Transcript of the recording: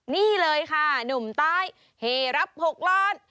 นี่เลยค่ะหนุ่มใต้เฮรับ๖ล้าน